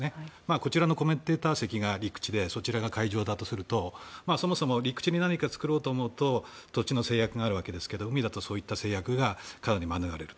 こちらのコメンテーター席が陸地でそちらが海上だとすると陸地に何か作ろうとすると土地の制約があるわけですが海だと、そういった制約がかなり免れる。